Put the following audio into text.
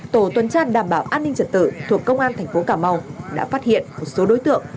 tổ tuần tra đảm bảo an ninh trật tự thuộc công an thành phố cà mau đã phát hiện một số đối tượng